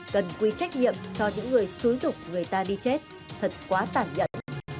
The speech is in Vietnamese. cần quy trách nhiệm cho những người xúi dụng người ta đi chết thật quá tản nhận